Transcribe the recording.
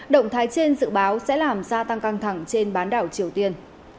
động thái trên dự báo sẽ làm gia tăng căng thẳng trên bán đảo triều tiên